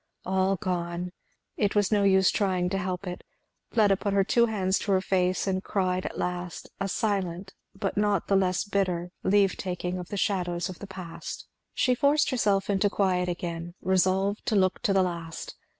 All gone! It was no use trying to help it; Fleda put her two hands to her face and cried at last a silent but not the less bitter leave taking of the shadows of the past. She forced herself into quiet again, resolved to look to the last.